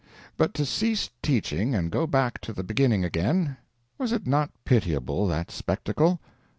But to cease teaching and go back to the beginning again, was it not pitiable, that spectacle?